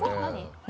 何？